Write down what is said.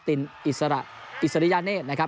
อิซรียานเนร์